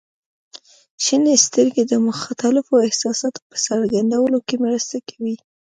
• شنې سترګې د مختلفو احساساتو په څرګندولو کې مرسته کوي.